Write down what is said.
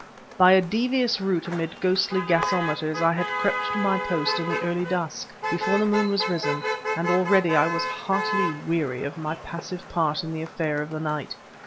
By a devious route amid ghostly gasometers I had crept to my post in the early dusk, before the moon was risen, and already I was heartily weary of my passive part in the affair of the night.